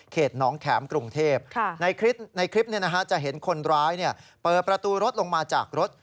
น้องแข็มกรุงเทพในคลิปจะเห็นคนร้ายเปิดประตูรถลงมาจากรถ